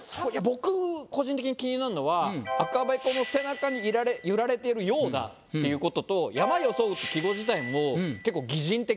僕個人的に気になるのは赤べこの背中に揺られてるようだっていうことと「山装ふ」って季語自体も。